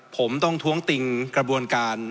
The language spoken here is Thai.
ผมต้องท้วงติงกระบวนการ